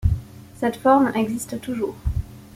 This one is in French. Cette forme existe toujours.